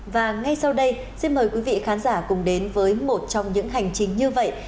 và ngay sau đây xin mời quý vị khán giả cùng đến với một trong những hành trình như vậy